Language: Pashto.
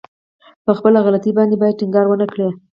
په خپله غلطي باندې بايد ټينګار ونه کړي.